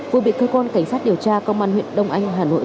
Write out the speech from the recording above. vừa bị cơ quan cảnh sát điều tra công an huyện đông anh hà nội